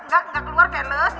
gak gak keluar keles